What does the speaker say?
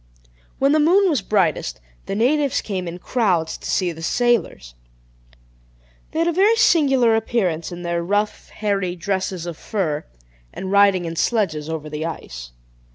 When the moon was brightest, the natives came in crowds to see the sailors. They had a very singular appearance in their rough, hairy dresses of fur, and riding in sledges over the ice.